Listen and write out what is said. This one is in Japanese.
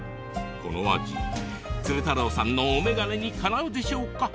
この味鶴太郎さんのお眼鏡にかなうでしょうか。